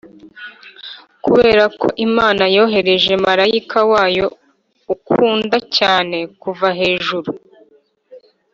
kuberako imana yohereje marayika wayo ukunda cyane kuva hejuru.